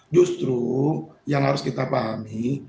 justru yang harus kita pahami